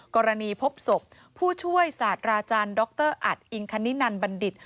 กรณีพบศพผู้ช่วยศาสตราอาจารย์ดรอัตอิงคณินันบัณฑิต